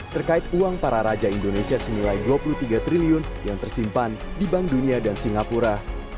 terkait uang para raja indonesia senilai dua puluh tiga triliun yang tersimpan di bank dunia dan singapura